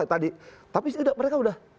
tapi mereka sudah